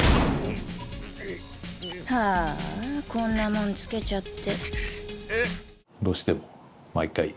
あこんなもんつけちゃって。